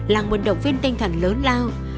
là một động viên tinh thần lớn lao